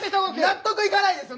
納得いかないですよ！